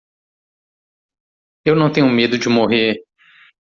Eu não tenho medo de morrer.